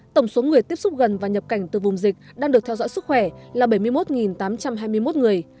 tổng số người tiếp xúc gần và nhập cảnh từ vùng dịch đang được theo dõi sức khỏe là bảy mươi một tám trăm hai mươi một người